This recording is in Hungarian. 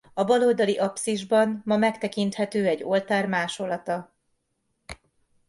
A bal oldali apszisban ma megtekinthető egy oltár másolata.